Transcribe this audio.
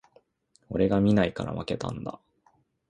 俺が見ないから負けたんだ